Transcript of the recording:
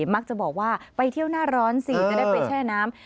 มักจะบอกว่าไปเที่ยวหน้าร้อนสิจะได้ไปแช่น้ำ